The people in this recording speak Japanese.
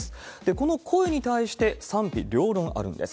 この声に対して、賛否両論あるんです。